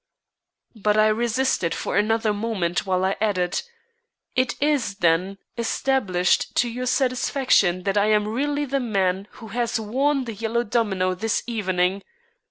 But I resisted for another moment while I added: "It is, then, established to your satisfaction that I am really the man who has worn the yellow domino this evening.